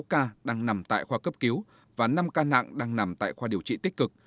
sáu ca đang nằm tại khoa cấp cứu và năm ca nặng đang nằm tại khoa điều trị tích cực